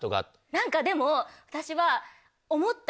何かでも私は。